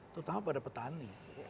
terutama pada petani